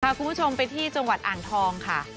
คุณผู้ชมไปที่จังหวัดอ่างทองค่ะ